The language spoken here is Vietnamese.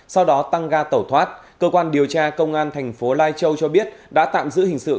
sau đó tăng ga tẩu thoát cơ quan điều tra công an thành phố lai châu cho biết đã tạm giữ hình sự